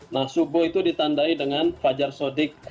nah subuh itu ditandai dengan fajar sodik